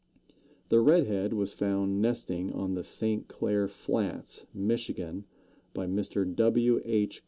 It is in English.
The Red head was found nesting on the St. Clair Flats, Michigan, by Mr. W. H.